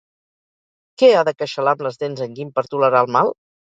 Què ha de queixalar amb les dents en Guim per tolerar el mal?